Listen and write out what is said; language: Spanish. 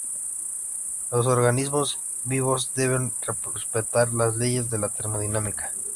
Los organismos vivos deben respetar las leyes de la termodinámica.